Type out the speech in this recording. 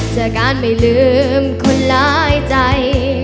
เจอกันไม่ลืมคนร้ายใจ